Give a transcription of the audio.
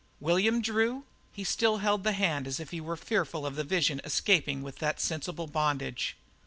"William Drew?" He still held the hand as if he were fearful of the vision escaping without that sensible bondage.